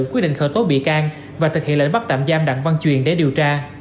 quyết định khởi tố bị can và thực hiện lệnh bắt tạm giam đặng văn truyền để điều tra